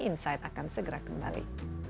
insight akan segera kembali